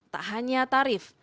tak hanya tarif